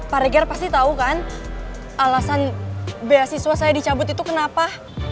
pak reger pasti tahu kan alasan beasiswa saya dicabut itu kenapa